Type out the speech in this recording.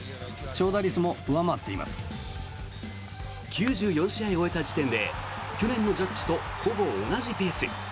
９４試合を終えた時点で去年のジャッジとほぼ同じペース。